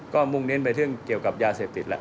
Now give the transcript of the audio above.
ก็มุ่งเน้นไปเรื่องเกี่ยวกับยาเสพติดแล้ว